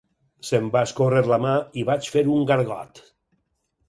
Se'm va escórrer la mà i vaig fer un gargot.